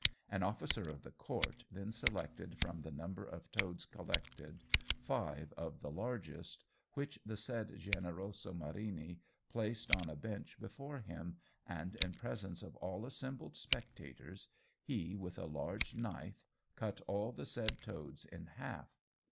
An officer of the court then selected from the number of toads collected, five of the largest, which the said Generoso Marini placed on a bench before him, and in presence of all assembled spectators, he, with a large knife, cut all the said toads in half.